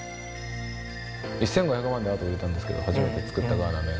１５００万円でアート売れたんですけど、初めて作ったガーナの絵が。